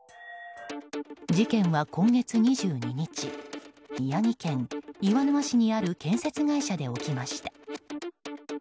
事件は今月２２日宮城県岩沼市にある建設会社で起きました。